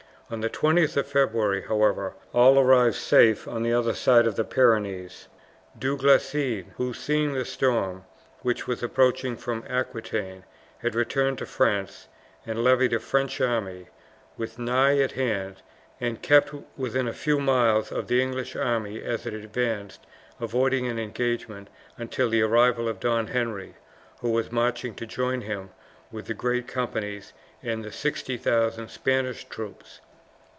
On the 20th of February, however, all arrived safe on the other side of the Pyrenees. Du Guesclin, who, seeing the storm which was approaching from Aquitaine, had returned to France and levied a French army, was nigh at hand, and kept within a few miles of the English army as it advanced, avoiding an engagement until the arrival of Don Henry, who was marching to join him with the great companies and 60,000 Spanish troops.